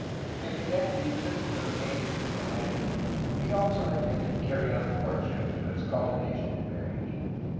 If he meant to use it to obtain his diplomatic ends, he also intended to carry on the courtship to its culmination in marriage.